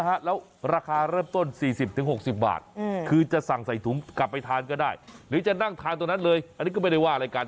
แล้วราคาเริ่มต้น๔๐๖๐บาทคือจะสั่งใส่ถุงกลับไปทานก็ได้หรือจะนั่งทานตรงนั้นเลยอันนี้ก็ไม่ได้ว่าอะไรกัน